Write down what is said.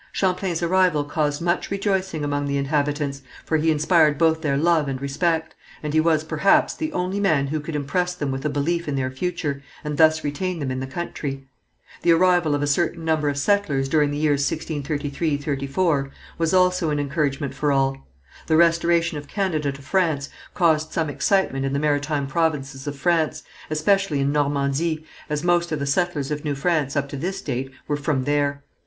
Champlain's arrival caused much rejoicing among the inhabitants, for he inspired both their love and respect, and he was, perhaps, the only man who could impress them with a belief in their future, and thus retain them in the country. The arrival of a certain number of settlers during the years 1633 4, was also an encouragement for all. The restoration of Canada to France caused some excitement in the maritime provinces of France, especially in Normandy, as most of the settlers of New France up to this date were from there.